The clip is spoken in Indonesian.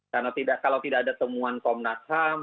karena kalau tidak ada temuan komnas ham